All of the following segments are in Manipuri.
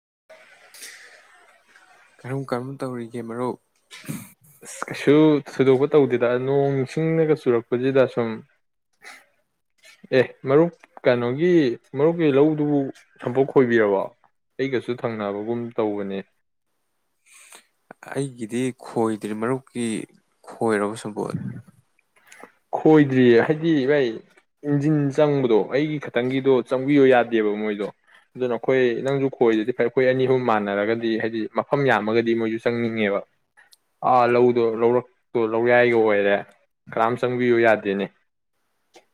[unintelligible] ꯀꯔꯝ ꯀꯔꯝ ꯇꯧꯔꯤꯒꯦ ꯃꯔꯨꯞ ꯑꯁ ꯀꯩꯁꯨ ꯊꯣꯏꯗꯣꯛꯄ ꯇꯧꯗꯦꯗ ꯅꯣꯡ ꯅꯤꯡꯁꯤꯡꯅꯒ ꯆꯨꯔꯛꯄꯁꯤꯗ ꯁꯨꯝ ꯑꯦ ꯃꯔꯨꯞ ꯀꯩꯅꯣꯒꯤ ꯃꯔꯨꯞꯀꯤ ꯂꯧꯗꯨꯕꯨ ꯁꯝꯄꯣꯛ ꯈꯣꯏꯕꯤꯔꯕ ꯑꯩꯒꯁꯨ ꯊꯪꯅꯕꯒꯨꯝ ꯇꯧꯕꯅꯤ ꯑꯩꯒꯤꯗꯤ ꯈꯣꯏꯗ꯭ꯔꯤ ꯃꯔꯨꯞꯀꯤ ꯑꯣꯏ ꯔꯕꯣꯁꯝꯕꯣꯠ ꯈꯣꯏꯗ꯭ꯔꯤꯌꯦ ꯍꯥꯏꯗꯤ ꯚꯥꯏ ꯏꯟꯖꯤꯟ ꯆꯪꯕꯗꯣ ꯑꯩꯒꯤ ꯈꯇꯪꯒꯤꯗꯣ ꯆꯪꯕꯤꯌꯣ ꯌꯥꯗꯦꯕ ꯃꯣꯏꯗꯣ ꯑꯗꯨꯅ ꯑꯩꯈꯣꯏ ꯅꯪꯁꯨ ꯈꯣꯏꯗꯗꯤ ꯐ ꯑꯩꯈꯣꯏ ꯑꯅꯤ ꯑꯍꯨꯝ ꯃꯥꯟꯅꯔꯒꯗꯤ ꯍꯥꯏꯗꯤ ꯃꯐꯝ ꯌꯥꯝꯃꯒꯗꯤ ꯃꯣꯏꯁꯨ ꯆꯪꯅꯤꯡꯉꯦꯕ ꯑꯥ ꯂꯧꯗꯣ ꯂꯧꯔꯛꯇꯣ ꯂꯧꯌꯥꯏꯒ ꯑꯣꯏꯔꯦ ꯀꯅꯥꯝ ꯆꯪꯕꯤꯌꯨ ꯌꯥꯗꯦꯅꯦ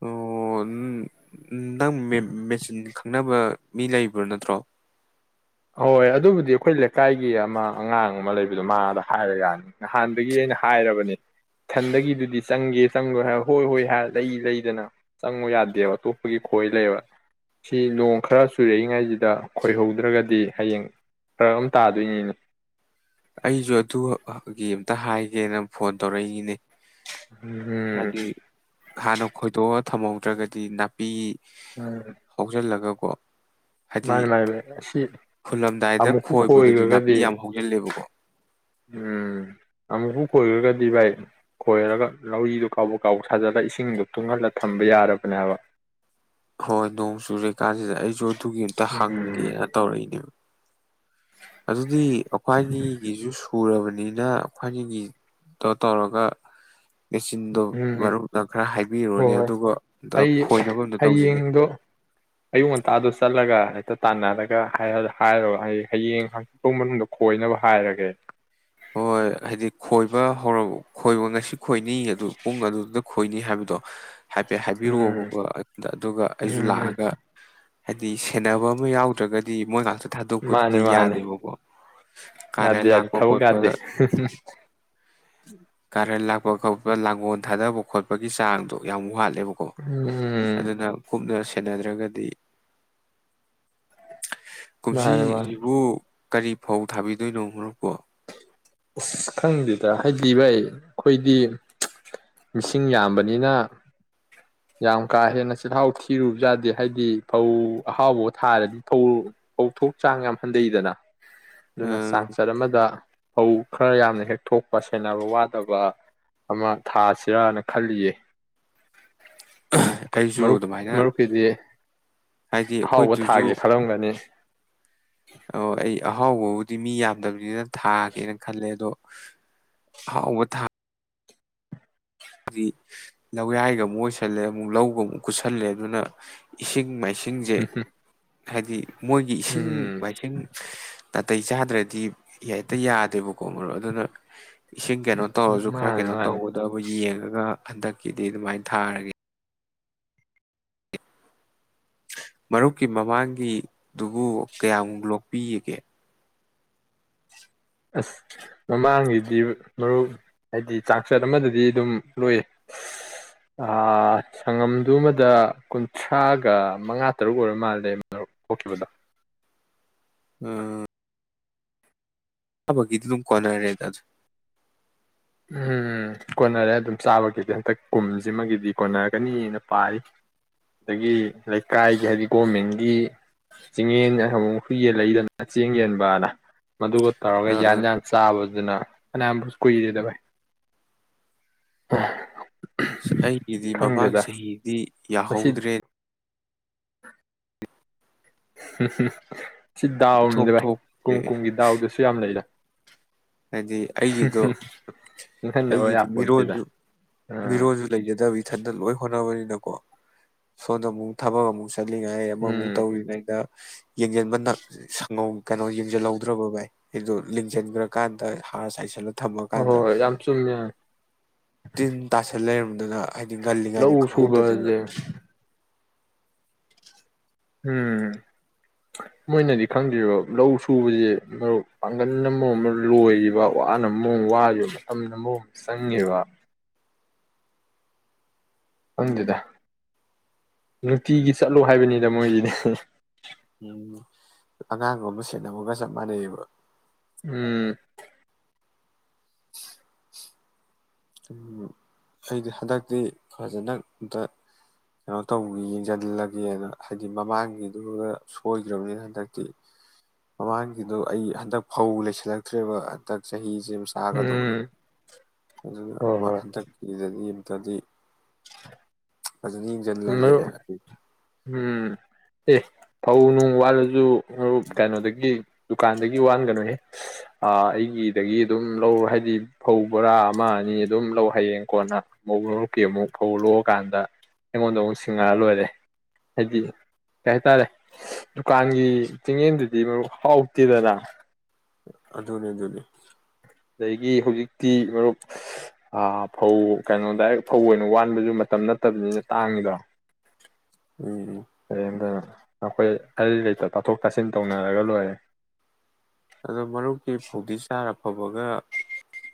ꯑꯣ ꯎꯝ, ꯅꯪ ꯃꯦꯆꯤꯟ ꯈꯪꯅꯕ ꯃꯤ ꯂꯩꯕ꯭ꯔꯣ ꯅꯠꯇ꯭ꯔꯣ ꯍꯣꯏ ꯑꯗꯨꯕꯨꯗꯤ ꯑꯩꯈꯣꯏ ꯂꯩꯀꯥꯏꯒꯤ ꯑꯃ ꯑꯉꯥꯡ ꯑꯃ ꯂꯩꯕꯗꯣ ꯃꯥꯗ ꯍꯥꯏꯔ ꯌꯥꯅꯤ ꯅꯍꯥꯟꯗꯒꯤ ꯑꯩꯅ ꯍꯥꯏꯔꯕꯅꯦ ꯏꯊꯟꯗꯒꯤꯗꯨꯗꯤ ꯆꯪꯒꯦ ꯆꯪꯗꯣꯏ ꯍꯥꯏꯔ ꯍꯣꯏ ꯍꯣꯏ ꯂꯩ ꯂꯩꯗꯅ ꯆꯪꯉꯨ ꯌꯥꯗꯦꯕ ꯑꯇꯣꯞꯄꯒꯤ ꯈꯣꯏ ꯂꯩꯕ ꯁꯤ ꯅꯣꯡ ꯈꯔ ꯆꯨꯔꯛꯏꯉꯩꯁꯤꯗ ꯈꯣꯏꯍꯧꯗ꯭ꯔꯒꯗꯤ ꯗꯤ ꯍꯌꯦꯡ ꯐꯔꯛꯑꯃ ꯇꯥꯗꯣꯏꯅꯤꯅꯦ ꯑꯩꯁꯨ ꯑꯗꯨꯒꯤ ꯑꯃꯝꯇ ꯍꯥꯏꯒꯦꯅ ꯐꯣꯟ ꯇꯧꯔꯛꯏꯅꯤꯅꯦ ꯎꯝ ꯍꯥꯏꯗꯤ ꯍꯥꯟꯅ ꯈꯣꯏꯗꯣꯛꯑ ꯊꯝꯍꯧꯗ꯭ꯔꯒꯗꯤ ꯅꯥꯄꯤ ꯍꯧꯖꯜꯂꯒ ꯍꯥꯏꯗꯤ ꯃꯥꯅꯤ ꯃꯥꯅꯤ ꯚꯥꯏ ꯑꯁꯤ ꯍꯨꯜꯂꯝꯗꯥꯏꯗ ꯑꯃꯨꯛꯄꯨ ꯈꯣꯏꯕꯗꯨꯗꯤ ꯈꯣꯏꯈ꯭ꯔꯒꯗꯤ ꯅꯥꯄꯤ ꯌꯥꯝ ꯍꯧꯖꯤꯜꯂꯦꯕꯀꯣ ꯎꯝ ꯑꯃꯨꯛꯄꯨ ꯈꯣꯏꯈꯔꯒꯗꯤ ꯚꯥꯏ ꯈꯣꯏꯔꯒ ꯂꯧꯔꯤꯗꯣ ꯀꯥꯎꯕꯣꯛ ꯀꯥꯎꯕꯣꯛ ꯁꯥꯖꯤꯜꯂꯒ ꯏꯁꯤꯡꯗꯣ ꯇꯨꯡꯍꯜꯂ ꯊꯝꯕ ꯌꯥꯔꯕꯅꯦꯕ ꯍꯥꯏꯕ ꯍꯣꯏ ꯅꯣꯡ ꯆꯨ ꯀꯥꯟꯁꯤꯗ ꯑꯩꯁꯨ ꯑꯗꯨꯒꯤ ꯑꯝꯇ ꯎꯝ ꯍꯪꯒꯦꯅ ꯇꯧꯔꯛꯏꯅꯦꯕ ꯅꯤꯅ ꯑꯩꯈꯣꯏꯒꯤꯗꯣ ꯇꯧꯔꯒ ꯃꯦꯆꯤꯟꯗꯣ ꯎꯝ ꯃꯔꯨꯞꯅ ꯈꯔ ꯍꯥꯏꯕꯤꯔꯨꯅꯦ ꯍꯣꯏ ꯑꯗꯨꯒ ꯑꯝ ꯑꯩ ꯈꯣꯏꯅꯕ ꯑꯝꯇ ꯇꯧꯁꯤꯅꯤ ꯍꯌꯦꯡꯗꯣ ꯑꯌꯨꯛ ꯉꯟꯇꯥꯗꯣ ꯆꯠꯂꯒ ꯍꯦꯛꯇ ꯇꯥꯟꯅꯔꯒ ꯍꯥꯏꯔꯣ ꯑꯩ ꯍꯌꯦꯡ ꯍꯥꯡꯆꯤꯠꯄꯥꯎ ꯃꯅꯨꯡꯗ ꯈꯣꯏꯅꯕ ꯍꯥꯏꯔꯒꯦ ꯍꯣꯏ ꯍꯥꯏꯗꯤ ꯈꯣꯏꯕ ꯍꯧꯔꯕ ꯈꯣꯏꯕ ꯉꯁꯤ ꯈꯣꯏꯅꯤꯒꯗꯨ ꯑꯗꯨ ꯄꯨꯡ ꯑꯗꯨꯗ ꯈꯣꯏꯅꯤ ꯍꯥꯏꯕꯗꯣ ꯍꯥꯏꯐꯦꯠ ꯎꯝ ꯍꯥꯏꯕꯤꯔꯛꯑꯣꯕꯀꯣ ꯑꯗꯨꯒ ꯑꯩꯁꯨ ꯎꯝ ꯎꯝ ꯂꯥꯛꯑꯒ ꯍꯥꯏꯗꯤ ꯁꯦꯟꯅꯕ ꯑꯃ ꯌꯥꯎꯗ꯭ꯔꯒꯗꯤ ꯃꯣꯏ ꯉꯥꯛꯇ ꯃꯥꯅꯦ ꯊꯥꯗꯣꯛꯄꯗꯨꯗꯤ ꯃꯥꯅꯦ ꯌꯥꯗꯦꯕꯀꯣ ꯀꯥꯔꯜ ꯌꯥꯗꯦ ꯂꯥꯛꯄ ꯈꯣꯠꯄ ꯀꯥꯔꯟ [unintelligible] ꯂꯥꯛꯄ ꯈꯣꯠꯄ ꯂꯥꯡꯒꯣꯜ ꯊꯥꯗꯕ ꯈꯣꯠꯄꯒꯤ ꯆꯥꯡꯗꯣ ꯌꯥꯝ ꯋꯥꯠꯂꯦ ꯕꯀꯣ ꯎꯝ ꯑꯗꯨꯅ ꯀꯨꯞꯅ ꯁꯦꯅꯗ꯭ꯔꯒꯗꯤ ꯃꯥꯅꯦ ꯃꯥꯅꯦ ꯀꯨꯝꯁꯤꯁꯤꯕꯨ ꯀꯔꯤ ꯐꯧ ꯊꯥꯕꯤꯗꯣꯏꯅꯣ ꯃꯔꯨꯞꯄꯣ ꯑꯁ ꯈꯪꯗꯦꯗ ꯍꯥꯏꯗꯤ ꯚꯥꯏ ꯑꯩꯈꯣꯏꯗꯤ ꯃꯤꯁꯤꯡ ꯌꯥꯝꯕꯅꯤꯅ ꯌꯥꯝ ꯀꯥ ꯍꯦꯟꯅ ꯆꯤꯜꯍꯥꯎ ꯊꯤꯔꯨꯕ ꯌꯥꯗꯦ ꯍꯥꯏꯕꯗꯤ ꯐꯧ ꯑꯍꯥꯎꯕꯥ ꯊꯥꯔꯗꯤ ꯐꯧ ꯐꯧꯊꯣꯛ ꯆꯥꯡ ꯌꯥꯝ ꯍꯟꯊꯩꯗꯅ ꯑꯗꯨꯅ ꯑꯝ, ꯆꯥꯡꯆꯠ ꯑꯃꯗ ꯐꯧ ꯈꯔ ꯌꯥꯝꯅ ꯍꯦꯛ ꯊꯣꯛꯄ ꯁꯦꯟꯅꯕ ꯋꯥꯗꯕ ꯑꯃ ꯊꯥꯁꯤꯔꯥꯅ ꯈꯜꯂꯤꯌꯦ ꯑꯩꯁꯨ ꯃꯔꯨꯞ ꯑꯗꯨꯃꯥꯏꯅ ꯃꯔꯨꯞꯀꯤꯗꯤ ꯍꯥꯏꯗꯤ ꯑꯍꯥꯎꯕ ꯊꯥꯒꯦ ꯑꯩꯈꯣꯏꯗꯨꯁꯨ ꯈꯜꯂꯝꯒꯅꯤ ꯑꯣ ꯑꯩ ꯑ ꯑꯍꯥꯎꯕꯕꯨꯗꯤ ꯃꯤ ꯌꯥꯝꯗꯕꯅꯤꯅ ꯊꯥꯒꯦꯅ ꯈꯜꯂꯦ ꯑꯗꯣ ꯑꯍꯥꯎꯕ ꯊꯥ ꯗꯤ ꯂꯧꯌꯥꯏꯒ ꯑꯃꯨꯛ ꯑꯣꯏꯁꯜꯂꯦ ꯑꯃꯨꯛ ꯂꯧꯒ ꯑꯃꯨꯛ ꯀꯨꯠꯁꯜꯂꯦ ꯑꯗꯨꯅ ꯏꯁꯤꯡ ꯃꯥꯏ ꯏꯁꯤꯡꯁꯦ ꯍꯥꯏꯗꯤ ꯃꯣꯏꯒꯤ ꯏꯁꯤꯡ ꯎꯝ ꯃꯥꯏꯁꯤꯡ ꯅꯥꯇꯩ ꯆꯥꯗ꯭ꯔꯗꯤ ꯍꯦꯛꯇ ꯌꯥꯗꯦꯕꯀꯣ ꯃꯔꯣ ꯑꯗꯨꯅ ꯏꯁꯤꯡ ꯀꯩꯅꯣ ꯇꯧꯔꯁꯨ ꯈꯔ ꯃꯥꯅꯤ ꯀꯩꯅꯣ ꯃꯥꯅꯤ ꯇꯧꯒꯗꯕ ꯌꯦꯡ ꯑꯗꯨꯒ ꯍꯟꯗꯛꯀꯤꯗꯤ ꯑꯗꯨꯃꯥꯏꯅ ꯊꯥꯔꯒꯦ ꯃꯔꯨꯞꯀꯤ ꯃꯃꯥꯡꯒꯤꯗꯨꯕꯨ ꯀꯌꯥꯃꯨꯛ ꯂꯣꯛꯄꯤꯒꯒꯦ ꯑꯁ ꯃꯃꯥꯡꯒꯤꯗꯤ ꯃꯔꯨꯞ ꯍꯥꯏꯗꯤ ꯆꯥꯛꯆꯠ ꯑꯃꯗꯗꯤ ꯑꯗꯨꯝ ꯂꯣꯏꯌꯦ ꯁꯪꯉꯝꯗꯨ ꯑꯃꯗ ꯀꯨꯟꯊ꯭ꯔꯥꯒ ꯃꯉꯥ ꯇꯔꯨꯛ ꯑꯣꯏꯔ ꯃꯥꯜꯂꯦ ꯃꯔꯨꯞ ꯊꯣꯛꯈꯤꯕꯗꯣ ꯑ ꯑꯕ ꯏꯗꯂꯨꯝ ꯀꯅꯥꯔꯦꯗ ꯑꯗꯨ ꯎꯝ ꯀꯣꯟꯅꯔꯦ ꯑꯗꯨꯝ ꯆꯥꯕꯒꯤꯗꯤ ꯍꯟꯇꯛ ꯀꯨꯝꯁꯤꯃꯒꯤꯗꯤ ꯀꯣꯟꯅꯔꯒꯅꯤꯅ ꯄꯥꯔꯤ ꯑꯗꯒꯤ ꯂꯩꯀꯥꯏꯒꯤ ꯍꯥꯏꯗꯤ ꯒꯣꯔꯃꯦꯟꯒꯤ ꯆꯤꯡꯌꯦꯟ ꯑꯃꯨꯛ ꯍꯨꯏꯌꯦꯟ ꯂꯩꯗꯅ ꯆꯦꯡ ꯌꯦꯟꯕꯅ ꯃꯗꯨꯒ ꯇꯧꯔꯒ ꯑꯥ ꯌꯥꯟ ꯑꯥ ꯌꯥꯟ ꯆꯥꯕꯗꯨꯅ ꯑ ꯑꯝꯕꯨꯁ ꯀꯨꯗꯦꯗꯦꯚꯥꯏ ꯍ ꯑꯩꯒꯤꯗꯤ ꯃꯃꯥꯡ ꯆꯍꯤꯗꯤ ꯌꯥꯍꯧꯗ꯭ꯔꯦ ꯑ ꯎꯝꯝ ꯁꯤ ꯏꯊꯣꯛ ꯗꯥꯎꯅꯤꯗ ꯚꯥꯏ ꯀꯨꯝ ꯊꯣꯛꯇ꯭ꯔꯦ ꯀꯨꯝꯒꯤ ꯗꯥꯎꯗꯨꯁꯨ ꯌꯥꯝ ꯂꯩꯔꯦ ꯍꯥꯏꯗꯤ ꯑꯩꯒꯤꯗꯣ ꯅꯤꯡꯍꯟꯅꯕ ꯑꯩꯒꯤꯗꯤ ꯌꯥꯄꯣꯟꯇꯦꯗ ꯃꯤꯔꯣꯟꯁꯨ ꯑꯥ ꯃꯤꯔꯣꯟꯁꯨ ꯂꯩꯖꯗꯕ ꯏꯊꯟꯇ ꯂꯣꯏ ꯍꯣꯠꯅꯕꯅꯤꯅ ꯣ ꯁꯣꯗ ꯑꯃꯨꯛ ꯊꯕꯛ ꯑꯃꯨꯛ ꯆꯠꯂꯤꯉꯥꯏ ꯑꯃꯃꯨꯛ ꯎꯝ ꯇꯧꯔꯤꯉꯩꯗ ꯌꯦꯡ ꯌꯦꯟ ꯃ ꯀꯩꯅꯣ ꯌꯦꯡꯁꯤꯜꯍꯧꯗ꯭ꯔꯕ ꯚꯥꯏ ꯑꯗꯨꯗꯨ ꯂꯤꯡꯁꯤꯟꯈ꯭ꯔ ꯗ ꯍꯥꯔ ꯆꯥꯏꯁꯜꯨ ꯍꯣꯏ ꯊꯝꯃꯀꯥꯟꯗ ꯍꯣꯏ ꯌꯥꯝ ꯆꯨꯝꯃꯦ ꯇꯤꯟ ꯇꯥꯁꯟ ꯂꯩꯔꯝꯅꯤ ꯑꯗꯨꯅ ꯍꯥꯏꯗꯤ ꯉꯜꯂꯤꯉꯩꯗ ꯂꯧ ꯈꯪꯍꯧꯗꯗꯅ ꯁꯨꯕꯁꯦ ꯎꯝ ꯃꯣꯏꯅꯗꯤ ꯈꯪꯗ꯭ꯔꯤꯕ ꯂꯧ ꯁꯨꯕꯁꯦ ꯃꯔꯨꯞ ꯄꯥꯡꯒꯜ ꯑꯃ ꯑꯃ ꯂꯣꯏꯔꯤꯕ ꯋꯥꯅ ꯃꯑꯣꯡ ꯋꯥꯔꯤꯕ ꯃꯇꯝꯅ ꯃꯔꯑꯣ ꯑꯃ ꯆꯪꯉꯦꯕ ꯑꯗꯨꯗꯨꯗ ꯅꯨꯡꯇꯤꯒꯤ ꯆꯠꯂꯣ ꯍꯥꯏꯕꯅꯤꯗ ꯃꯣꯏꯁꯤꯗꯤ ꯎꯝ ꯑꯉꯥꯡꯒꯨꯝꯕ ꯁꯦꯅꯕꯒ ꯆꯞ ꯃꯥꯟꯅꯩꯑꯕ ꯎꯝ [inaudible] ꯑꯩꯗꯤ ꯍꯟꯗꯛꯇꯤ ꯐꯖꯅ ꯑꯝꯇ ꯀꯩꯅꯣ ꯇꯧꯈꯤ ꯌꯦꯡꯁꯤꯜꯂꯒꯦꯅ ꯍꯥꯏꯗꯤ ꯃꯃꯥꯡꯒꯤꯗꯨꯒ ꯁꯣꯏꯈ꯭ꯔꯕꯅꯤꯅ ꯍꯟꯗꯛꯇꯤ ꯃꯃꯥꯡꯒꯤꯗꯨꯣ ꯑꯩ ꯍꯟꯗꯛ ꯐꯧ ꯂꯩꯁꯤꯜꯂꯛꯇ꯭ꯔꯦꯕ ꯍꯟꯗꯛ ꯆꯍꯤ ꯁꯤꯖꯤꯁꯒꯗꯧꯕꯗꯣ ꯎꯝ ꯍꯣꯏ ꯍꯣꯏ ꯟ ꯌꯦꯕꯕꯗꯤ ꯎ ꯎꯝ ꯑꯦ ꯐꯧ ꯅꯨꯡ ꯋꯥꯠꯂꯁꯨ ꯑꯣ ꯀꯩꯅꯣꯗꯒꯤ ꯗꯨꯀꯥꯟꯗꯒꯤ ꯋꯥꯟꯒꯅꯨꯅꯦ ꯑꯩꯒꯤꯗꯒꯤ ꯑꯗꯨꯝ ꯂꯧꯔ ꯍꯥꯏꯕꯗꯤ ꯐꯧ ꯕꯣꯔꯥ ꯑꯃ ꯑꯅꯤ ꯑꯗꯨꯝ ꯂꯧ ꯍꯌꯦꯡ ꯀꯣꯟꯅ ꯑꯃꯨꯛ ꯂꯧꯔꯛꯀꯦ ꯑꯃꯨꯛ ꯐꯧ ꯂꯧꯣꯛꯑꯀꯥꯟꯗ ꯑꯩꯉꯣꯟꯗ ꯑꯃꯨꯛ ꯁꯤꯡꯉꯔ ꯂꯣꯏꯔꯦ ꯍꯥꯏꯗꯤ ꯀꯩ ꯍꯥꯏꯇꯥꯔꯦ ꯗꯨꯀꯥꯟꯒꯤ ꯆꯤꯡꯌꯦꯟꯗꯨꯗꯤ ꯃꯔꯨꯞ ꯍꯥꯎꯇꯦꯗꯅ ꯑ ꯑꯗꯨꯅꯦ ꯑꯗꯨ ꯑꯗꯨꯅꯦ ꯑꯗꯒꯤ ꯍꯧꯖꯤꯛꯇꯤ ꯃꯔꯨꯞ ꯐꯧ ꯀꯩꯅꯣ ꯗꯥꯏꯔꯦꯛ ꯐꯧ ꯑꯣꯏꯅ ꯋꯥꯟꯕꯁꯨ ꯃꯇꯝ ꯅꯠꯇꯕꯅꯤꯅ ꯇꯥꯡꯉꯤꯗ ꯎꯝ ꯎꯝ ꯀꯝꯗꯅ ꯑꯩꯈꯣꯏ ꯑꯔꯤ ꯂꯩꯇ ꯇꯥꯊꯣꯛ ꯇꯥꯁꯤꯟ ꯇꯧꯅꯔꯒ ꯂꯣꯏꯔꯦ ꯑꯗꯣ ꯃꯔꯨꯞꯀꯤ ꯐꯧꯗꯤ ꯆꯥꯔꯐꯕꯒ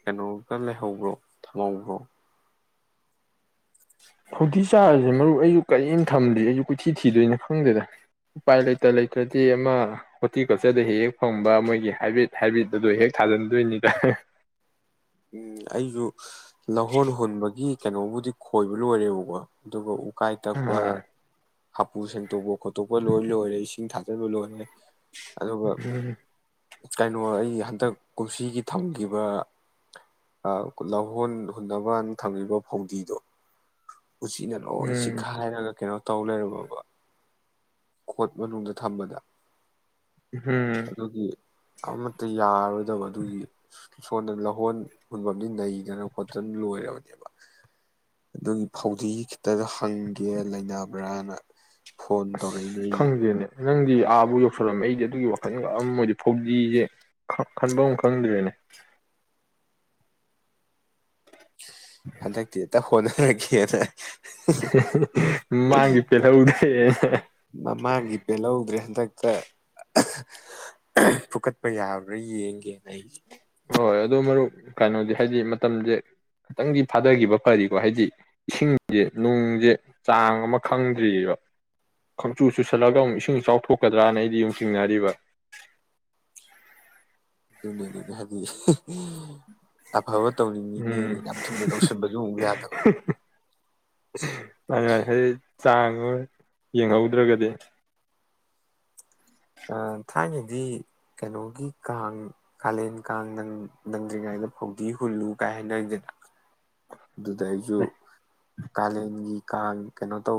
ꯀꯩꯅꯣꯒ ꯂꯩꯍꯧꯕ꯭ꯔꯣ ꯊꯝꯍꯧꯕ꯭ꯔꯣ ꯍꯧꯥꯎꯗꯤꯤ ꯆꯥꯔꯤꯁꯦ ꯃꯔꯨ ꯑꯩꯁꯨ ꯀꯔꯤꯝ ꯊꯝꯗ ꯑꯩꯁꯨ ꯀꯨꯊꯤ ꯊꯤꯗꯣꯏꯅꯣ ꯈꯪꯗꯦꯗ ꯎꯄꯥꯏ ꯂꯩꯇ ꯂꯩꯇ꯭ꯔꯗꯤ ꯑꯃ ꯍꯣꯔꯇꯤꯀꯜꯆꯔꯗ ꯍꯦꯛ ꯍꯦꯛ ꯐꯪꯕ ꯃꯣꯏꯒꯤ ꯍꯥꯏꯕꯤꯠ ꯍꯥꯏꯕꯤꯠ ꯑꯗꯨꯣ ꯍꯦꯛ ꯊꯥꯖꯤꯟꯗꯣꯏꯅꯤꯗ ꯎꯝ ꯑꯩꯁꯨ ꯂꯧꯍꯣꯟ ꯍꯨꯟꯕꯒꯤ ꯀꯩꯅꯣꯕꯨꯗꯤ ꯈꯣꯏꯕ ꯂꯣꯏꯔꯦꯕꯀꯣ ꯑꯗꯨꯒ ꯀꯥꯏ ꯑ ꯇꯛꯄ ꯍꯥꯄꯨ ꯁꯦꯡꯇꯣꯛꯄ ꯈꯣꯠꯇꯣꯛꯄ ꯂꯣꯏ ꯂꯣꯏꯔꯦ ꯏꯁꯤꯡ ꯊꯥꯖꯤꯟꯕ ꯂꯣꯏꯔꯦ ꯑꯗꯨꯒ ꯎꯝ ꯀꯩꯅꯣ ꯑꯩ ꯍꯟꯗꯛ ꯀꯨꯝꯁꯤꯒꯤ ꯊꯝꯈꯤꯕ ꯂꯧꯍꯣꯟ ꯍꯨꯕꯅ ꯊꯝꯃꯤꯕ ꯐꯧꯗꯤꯗꯨꯣ ꯎꯆꯤꯅ ꯎꯝ ꯂꯣꯏ ꯎꯝ ꯆꯤꯛꯈꯥꯏ ꯍꯥꯏꯔꯒ ꯀꯩꯅꯣ ꯇꯧ ꯂꯩꯔꯝꯃꯕ ꯈꯣꯠ ꯃꯅꯨꯡꯗ ꯊꯝꯕꯗ ꯎꯝ ꯑꯗꯨꯒꯤ ꯑꯃꯠꯇ ꯌꯥꯔꯣꯏꯗꯕ ꯑꯗꯨꯒꯤ ꯁꯣꯟꯗ ꯂꯑꯣ ꯍꯣꯟ ꯍꯨꯣꯟꯐꯝꯗꯤ ꯅꯩꯗꯅ ꯈꯣꯠꯇꯅ ꯂꯣꯏꯔꯕꯅꯦꯕ ꯑꯗꯨꯒꯤ ꯐꯧꯗꯤ ꯈꯤꯇꯗ ꯍꯪꯒꯦ ꯂꯩꯅꯕ꯭ꯔꯅ ꯐꯣꯟ ꯑꯁ ꯇꯧꯔꯛꯏꯉ ꯈꯪꯗꯦꯅꯦ ꯅꯪꯗꯤ ꯑꯥꯕꯨ ꯌꯧꯁꯜꯂꯂꯝꯃꯦ ꯑꯩꯗꯤ ꯑꯗꯨꯒꯤ ꯋꯥꯈꯜ ꯈꯑꯝꯃꯣꯏꯗꯤ ꯐꯧꯖꯤꯁꯦ ꯈꯟꯕ ꯑꯃ ꯈꯪꯗ꯭ꯔꯦꯅꯦ ꯍꯗ ꯇ ꯇ ꯀꯅꯔ ꯀꯔ ꯃꯥꯡꯒꯤ ꯄꯦꯂ ꯎꯗꯦ ꯐꯀꯠꯄ ꯌꯥꯕ꯭ꯔꯥ ꯌꯦꯡꯒꯦꯅ ꯑꯩꯁꯦ ꯍꯣꯏ ꯍꯣꯏ ꯑꯗꯨ ꯃꯔꯨꯞ ꯀꯩꯅꯣꯗꯤ ꯍꯥꯏꯗꯤ ꯃꯇꯝꯁꯦ ꯈꯤꯇꯪꯗꯤ ꯐꯥꯗꯈꯤꯕ ꯀꯔꯤꯀꯣ ꯍꯥꯏꯗꯤ ꯏꯁꯤꯡꯁꯦ ꯅꯨꯡꯁꯦ ꯆꯥꯡ ꯑꯃ ꯈꯪꯗ꯭ꯔꯤꯑꯕ ꯈꯪꯆꯨ ꯆꯨꯁꯜꯂꯒ ꯑꯃꯨꯛ ꯏꯁꯤꯡꯁꯨ ꯆꯥꯎꯊꯣꯛꯀꯗ꯭ꯔꯥꯅ ꯑꯩꯗꯤ ꯆꯤꯡꯅꯔꯤꯕ ꯅꯦꯅꯦ ꯍꯥꯏꯗꯤ ꯑꯐꯕ ꯇꯧꯅꯤꯡꯉꯤꯅꯦꯅ ꯎꯝ ꯌꯥꯝ ꯊꯨꯅ ꯇꯧꯁꯟꯕꯁꯨ ꯑꯃꯨꯛ ꯌꯥꯗꯕ ꯆꯥꯡꯉꯣꯏ ꯌꯦꯡꯍꯧꯗ꯭ꯔꯒꯗꯤ ꯊꯥꯏꯅꯗꯤ ꯀꯩꯅꯣꯒꯤ ꯀꯥꯡ ꯀꯥꯂꯦꯟ ꯀꯥꯡ ꯅꯪ ꯅꯪꯗ꯭ꯔꯤꯉꯩꯗ ꯐꯧꯗꯤ ꯍꯨꯜꯂꯨ ꯀꯥꯏ ꯍꯥꯏꯅꯔꯤꯗꯅ ꯑꯗꯨꯗ ꯑꯩꯁꯨ ꯀꯥꯂꯦꯟꯒꯤ ꯀꯥꯡ ꯀꯩꯅꯣ ꯇ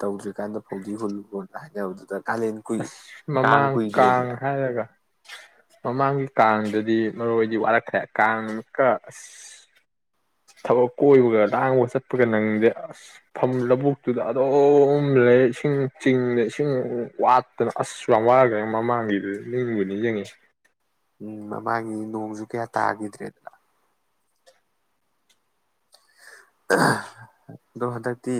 ꯇꯧꯗ꯭ꯔꯤꯀꯥꯟꯗ ꯐꯧꯗꯤ ꯍꯨꯜꯂꯨꯔꯣꯅ ꯍꯥꯏꯅꯕꯗꯨꯗ ꯀꯥꯂꯦꯟ ꯀꯨꯏ ꯑꯁ ꯀꯥꯡ ꯃꯃꯥꯡ ꯀꯥꯡ ꯀꯨꯏꯗ꯭ꯔꯦꯗꯅ ꯍꯥꯏꯔꯒ ꯃꯃꯥꯡꯒꯤ ꯀꯥꯡꯗꯗꯤ ꯃꯔꯣꯏꯗꯤ ꯋꯥꯔꯛꯈ꯭ꯔꯦ ꯀꯥꯡ ꯑꯃꯨꯛꯀ ꯑꯁ ꯊꯕꯛ ꯀꯣꯏꯕꯒ ꯂꯥꯡꯕ ꯆꯠꯄꯒ ꯅꯪꯗꯦ ꯑꯁ ꯂꯧꯕꯨꯛꯇꯨꯗ ꯑꯗꯨꯝ ꯂꯩ ꯏꯁꯤꯡ ꯆꯤꯡꯗ ꯏꯁꯤꯡ ꯋꯥꯠꯇꯅ ꯑꯁꯁꯨ ꯌꯥꯝ ꯋꯥꯈ꯭ꯔꯦ ꯃꯃꯥꯡꯒꯤꯗꯨ ꯅꯤꯡꯕ ꯅꯤꯡ ꯌꯦꯡꯉꯤ ꯎꯝ ꯃꯃꯒꯤ ꯅꯣꯡꯁꯨ ꯀꯌꯥ ꯇꯥꯈꯤꯗ꯭ꯔꯦꯗꯅ ꯑꯗꯣ ꯍꯟꯗꯛꯇꯤ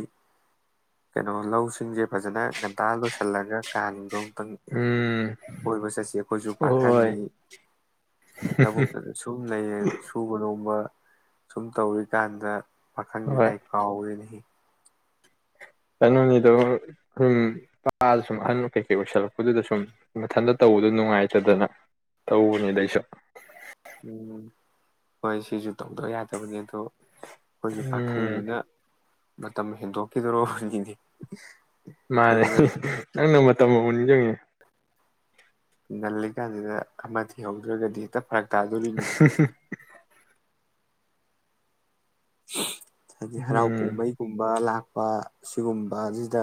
ꯀꯩꯅꯣ ꯂꯧꯁꯤꯡꯁꯦ ꯐꯖꯅ ꯉꯟꯇꯥ ꯂꯣꯏꯁꯜꯂꯒ ꯀꯥꯟꯗꯣ ꯇꯪ ꯎꯝ ꯀꯣꯏꯕ ꯆꯠꯁꯤ ꯑꯈꯣꯏꯁꯨ ꯍꯣꯏ ꯄꯥꯈꯪꯅꯤ ꯂꯧꯕꯨꯛꯇꯗ ꯁꯨꯝ ꯂꯩꯌꯦ ꯁꯨꯕꯅꯣꯝ ꯒꯨꯝꯕ ꯁꯨꯝ ꯇꯧꯋꯤꯀꯥꯟꯗ ꯄꯥꯈꯪꯅꯤ ꯍꯣꯏ ꯀꯩ ꯀꯥꯎꯔꯦꯅꯦꯍꯦ ꯀꯩꯅꯨꯅꯤꯗꯣ ꯁꯨꯝ ꯄꯗ ꯁꯨꯝ ꯑꯍꯟ ꯀꯩꯀꯩ ꯑꯣꯏꯁꯜꯂꯛꯄꯗꯨꯗ ꯁꯨꯝ ꯃꯊꯟꯇ ꯇꯧꯕꯗ ꯅꯨꯡꯉꯥꯏꯇꯗꯅ ꯇꯧꯕꯅꯤꯗꯑꯩꯁꯨ ꯎꯝ ꯍꯣꯏ ꯁꯤꯁꯨ ꯇꯧꯗꯕ ꯌꯥꯗꯕꯅꯤ ꯑꯗꯣ ꯑꯈꯣꯏꯁꯨ ꯎꯝ ꯄꯥꯈꯪꯅꯤꯅ ꯃꯇꯝ ꯍꯦꯟꯗꯣꯛ ꯈꯤꯗ꯭ꯔꯣ ꯅꯤꯅꯦ ꯃꯥꯅꯦ [unintelligible] ꯅꯪꯆ [unintelligible] ꯉꯜꯂꯤꯀꯥꯟꯁꯤꯗ ꯑꯃ ꯊꯤꯍꯧ ꯗ꯭ꯔꯒꯗꯤ ꯍꯦꯛꯇ ꯐꯔꯛ ꯇꯥꯗꯣꯔꯤꯅꯤ [unintelligible] ꯍꯥꯏꯗꯤ ꯍꯔꯥꯎ ꯎꯝ ꯀꯨꯝꯍꯩꯒꯨꯝꯕ ꯂꯥꯛꯄ ꯁꯤꯒꯨꯝꯕ ꯑꯁꯤꯗ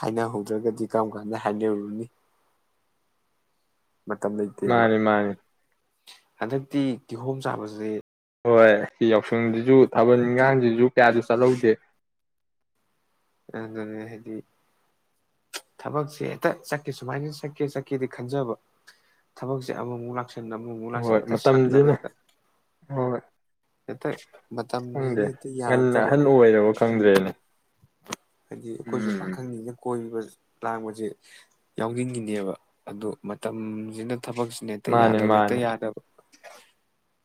ꯍꯥꯏꯅꯍꯧꯗ꯭ꯔꯒꯗꯤ ꯀꯔꯝ ꯀꯥꯟꯗ ꯍꯥꯏꯅꯔꯨꯅꯤ ꯃꯇꯝ ꯂꯩꯇꯦꯕ ꯃꯥꯅꯤ ꯃꯥꯅꯤ ꯍꯟꯗꯛꯇꯤ ꯀꯤꯍꯣꯝ ꯆꯥꯕꯁꯤ ꯍꯣꯏ ꯁꯤ ꯌꯥꯎꯁꯪꯁꯤꯁꯨ ꯊꯥꯕꯜ ꯏꯟꯈꯥꯡꯁꯤꯁꯨ ꯀꯌꯥꯗ ꯆꯠꯍꯧꯗꯦ ꯑꯗꯨꯅꯦ ꯍꯥꯏꯗꯤ ꯊꯕꯛꯁꯦ ꯍꯦꯛꯇ ꯆꯠꯀꯦ ꯁꯨꯃꯥꯏꯅ ꯆꯠꯀꯦ ꯆꯠꯀꯦꯗꯤ ꯈꯟꯖꯕ ꯊꯕꯛꯁꯦ ꯑꯃꯃꯨꯛ ꯂꯥꯛꯁꯟ ꯑꯃꯨꯃꯨꯛ ꯂꯥꯛꯁꯤꯟ ꯍꯣꯏ ꯍꯦꯛꯇ ꯁꯪꯗꯕ ꯃꯇꯝꯁꯤꯅ ꯍꯦꯛꯇ ꯍꯣꯏ ꯍꯦꯛꯇ ꯃꯇꯝꯁꯤꯅꯤ ꯈꯪꯗꯦ ꯍꯦꯛꯇ ꯉꯟꯅ ꯌꯥꯔꯛꯇꯕ ꯑꯍꯟ ꯑꯣꯏꯔꯕ ꯈꯪꯗ꯭ꯔꯦꯅꯦ ꯍꯥꯏꯗꯤ ꯑꯈꯣꯏꯁꯨ ꯎꯝ ꯄꯥꯈꯪꯅꯤꯅ ꯀꯣꯏꯕ ꯂꯥꯡꯕꯁꯦ ꯌꯥꯎꯅꯤꯡꯉꯤꯅꯦꯕ ꯑꯗꯣ ꯃꯇꯝꯁꯤꯅ ꯊꯕꯛꯁꯤꯅ ꯍꯦꯛꯇ ꯃꯥꯅꯦ ꯌꯥꯗꯕ ꯍꯦꯛꯇ ꯃꯥꯅꯦ ꯌꯥꯗꯕ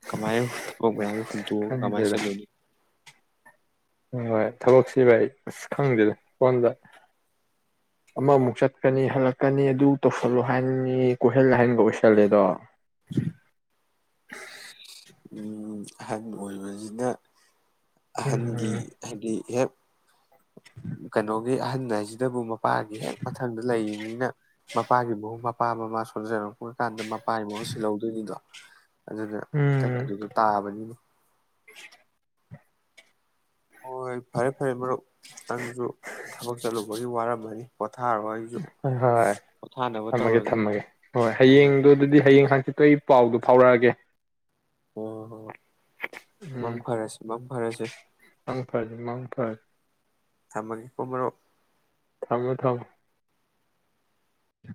ꯀꯃꯥꯏꯅ ꯊꯕꯛ ꯃꯌꯥꯝꯗꯨ ꯍꯨꯟꯇꯣꯛꯑꯒ ꯀꯃꯥꯏꯅ ꯆꯠꯂꯨꯅꯤ ꯍꯣꯏ ꯍꯣꯏ ꯊꯕꯛꯁꯤ ꯕꯥꯏ ꯑꯁ ꯈꯪꯗꯦꯗ ꯐꯣꯟꯗ ꯑꯃꯃꯨꯛ ꯆꯠꯀꯅꯤ ꯍꯜꯂꯛꯀꯅꯤ ꯑꯗꯨ ꯇꯧꯁꯜꯂꯨ ꯍꯥꯏꯟꯅꯤ ꯀꯣꯏꯍꯜ ꯂꯥꯏꯍꯟꯒ ꯑꯣꯏꯁꯜꯂꯦꯗꯣ ꯎꯝ ꯑꯍꯟ ꯑꯣꯏꯕꯁꯤꯅ ꯑꯍꯟꯒꯤ ꯎꯝ ꯍꯥꯏꯗꯤ ꯍꯦꯛ ꯀꯩꯅꯣꯒꯤ ꯑꯍꯟ ꯍꯥꯏꯁꯤꯗꯕꯨ ꯃꯄꯥꯒꯤ ꯍꯦꯛ ꯃꯊꯪꯗ ꯂꯩꯔꯤꯅꯤꯅ ꯃꯄꯥꯒꯤ [unintelligible] ꯃꯄꯥ ꯃꯃꯥ ꯁꯣꯟꯖꯔꯛꯄ ꯀꯥꯟꯗ ꯃꯄꯥꯏ ꯃꯍꯨꯠ ꯁꯤꯜꯍꯧꯗꯣꯏꯅꯤꯗꯣ ꯑꯗꯨꯅ ꯑꯗꯨꯅ ꯎꯝ ꯑꯗꯨꯗ ꯇꯥꯕꯅꯤꯅꯦ [unintelligible] ꯍꯣꯏ ꯍꯣꯏ ꯐꯔꯦ ꯐꯔꯦ ꯃꯔꯨꯞ ꯅꯪꯁꯨ ꯊꯕꯛ ꯆꯠꯂꯨꯕꯒꯤ ꯋꯥꯔꯝ ꯃꯥ [unintelligible] ꯍꯣꯏ ꯊꯝꯃꯒꯦ ꯇꯧꯔꯒꯦ ꯊꯝꯃꯒꯦ ꯍꯣꯏ ꯍꯌꯦꯡꯗꯨ ꯑꯗꯨꯗꯤ ꯍꯌꯦꯡ ꯍꯥ ꯁꯤꯠꯄꯩ ꯄꯥꯎꯗꯣ ꯐꯥꯎꯔꯛꯑꯒꯦ ꯍꯣ ꯍꯣ ꯍꯣꯏ ꯍꯣꯏ ꯃꯪ ꯎꯝ ꯐꯔꯁꯤ ꯃꯪ ꯐꯔꯁꯦ ꯃꯪ ꯐꯔꯁꯦ ꯃꯣ ꯐꯔꯁꯦ ꯊꯝꯃꯒꯦ ꯀꯣ ꯃꯔꯨꯞ ꯊꯝꯃꯣ ꯊꯝꯃꯣ